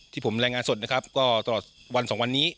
ที่ผมรายงานสดนะครับก็ตลอดวันสองวันนี้